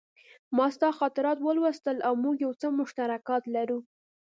ما ستا خاطرات ولوستل او موږ یو څه مشترکات لرو